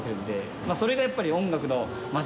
それがやっぱり音楽の街